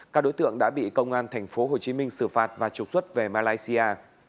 các đối tượng đã bị công an thành phố hồ chí minh xử phạt và trục xuất về malaysia